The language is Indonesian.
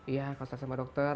iya konsultasi sama dokter